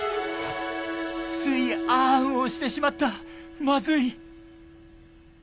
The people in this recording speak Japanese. ついあーんをしてしまったマズい！